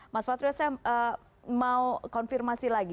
mas patrio saya mau konfirmasi lagi